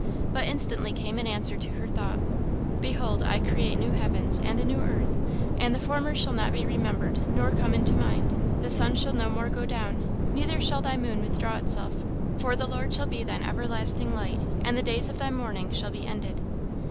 But instantly came an answer to her thought "Behold I create new heavens, and a new earth; and the former shall not be remembered, nor come into mind. Thy sun shall no more go down, neither shall thy moon withdraw itself; for the Lord shall be thine everlasting light, and the days of thy mourning shall be ended."